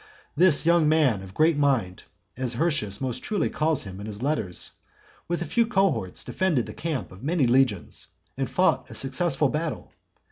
This young man of great mind, as Hirtius most truly calls him in his letters, with a few cohorts defended the camp of many legions, and fought a successful battle.